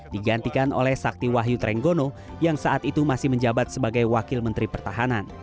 digantikan oleh sakti wahyu trenggono yang saat itu masih menjabat sebagai wakil menteri pertahanan